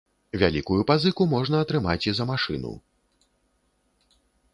Вялікую пазыку можна атрымаць і за машыну.